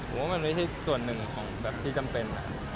ผมว่ามันไม่ใช่ส่วนหนึ่งของแบบที่จำเป็น